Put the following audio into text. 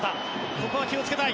ここは気を付けたい。